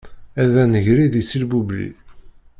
Ad d-negri di silbubli.